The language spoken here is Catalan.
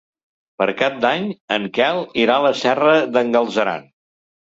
Per Cap d'Any en Quel irà a la Serra d'en Galceran.